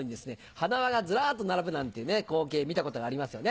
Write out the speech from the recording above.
花輪がズラっと並ぶなんていう光景見たことがありますよね？